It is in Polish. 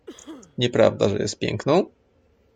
"Nieprawda że jest piękną?"